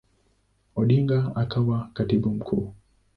Odinga akawa Katibu Mkuu.